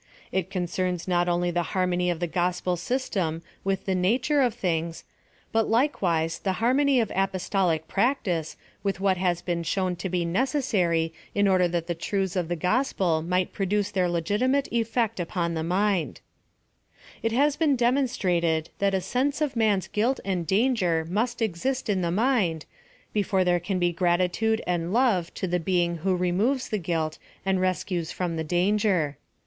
It concerns not only the harmony of the gospel system with the natur^j of things, but likewise the harmony of apostolic prac tice with what has been shown to be necessary in order that the truths of the gospel might produce their legitimate effect upon the mind : It has been demonstrated that a sense of man's guilt and danger must exist in the mind, before there can be orratitude and love to the beinof who removes the guilt and rescues from the danger.